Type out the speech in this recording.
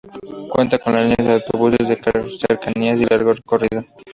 Cuenta con líneas de autobuses de cercanías y largo recorrido.